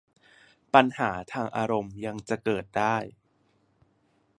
ปัญหาทางอารมณ์ยังจะเกิดได้